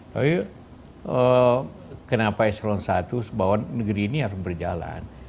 tapi kenapa eselon i bahwa negeri ini harus berjalan